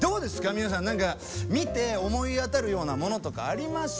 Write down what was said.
皆さん何か見て思い当たるようなものとかあります？